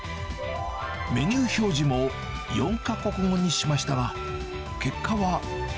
メニュー表示も４か国語にしましたが、結果は。